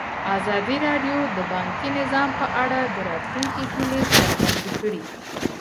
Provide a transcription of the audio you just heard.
ازادي راډیو د بانکي نظام په اړه د راتلونکي هیلې څرګندې کړې.